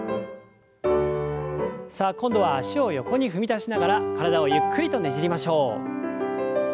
さあ今度は脚を横に踏み出しながら体をゆっくりとねじりましょう。